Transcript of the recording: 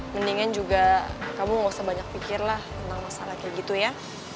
mendingan juga kamu gak usah banyak pikir lah tentang masalah kayak gitu ya